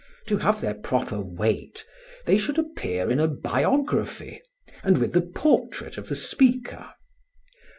To have their proper weight they should appear in a biography, and with the portrait of the speaker.